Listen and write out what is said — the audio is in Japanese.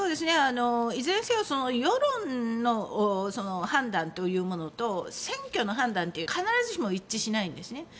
いずれにせよ世論の判断というものと選挙の判断というのは必ずしも一致しないんですね。